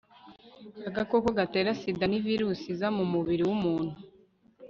agakoko gatera sida ni virusi iza mu mubiri w umuntu